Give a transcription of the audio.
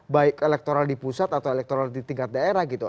baik elektoral di pusat atau elektoral di tingkat daerah gitu